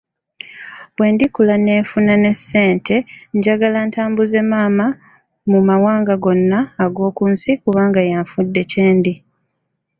Bwe ndikula ne nfuna ne ssente njagala ntambuze maama mu mawanga gonna ag'oku nsi kubanga yanfudde kye ndi.